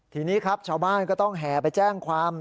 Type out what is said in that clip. ทีนี้ครับชาวบ้านก็ต้องแห่ไปแจ้งความ